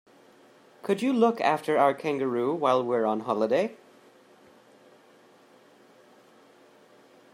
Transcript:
Could you look after our kangaroo while we're on holiday?